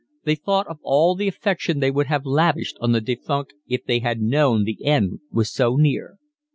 They thought of all the affection they would have lavished on the defunct if they had known the end was so near.